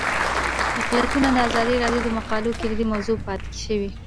اقلیتونه د ازادي راډیو د مقالو کلیدي موضوع پاتې شوی.